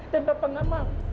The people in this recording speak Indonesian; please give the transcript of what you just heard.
dan bapak enggak mau